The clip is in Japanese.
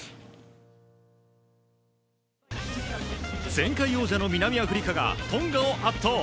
前回王者の南アフリカがトンガを圧倒。